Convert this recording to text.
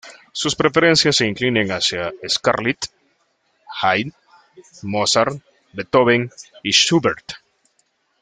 Sus preferencias se inclinan hacia Scarlatti, Haydn, Mozart, Beethoven y Schubert.